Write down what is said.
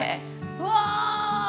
うわ！